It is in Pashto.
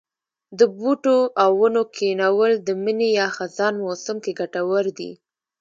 د بوټو او ونو کښېنول د مني یا خزان موسم کې کټور دي.